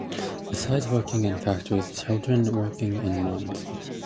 Besides working in factories children worked in mines.